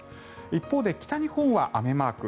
一方で、北日本は雨マーク。